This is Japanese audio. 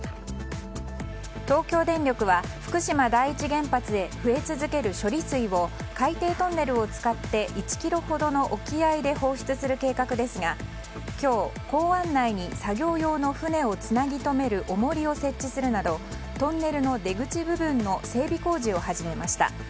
東京電力は福島第一原発で増え続ける処理水を海底トンネルを使って１ｋｍほどの沖合で放出する計画ですが今日、港湾内に作業用の船をつなぎとめるおもりを設置するなどトンネルの出口部分の整備工事を始めました。